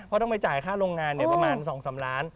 เพราะต้องไปจ่ายค่าโรงงานประมาณ๒๓ล้าน